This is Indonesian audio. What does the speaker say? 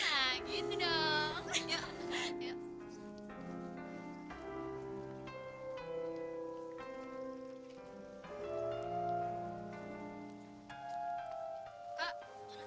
kak apaan ini kak